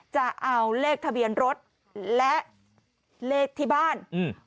จะเอาเลขทะเบียนรถและเลขที่บ้านอืม